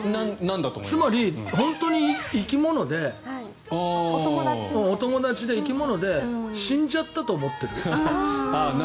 つまり、本当に生き物でお友達で生き物で死んじゃったと思ってる。